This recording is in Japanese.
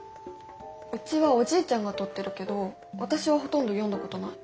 うちはおじいちゃんが取ってるけど私はほとんど読んだことない。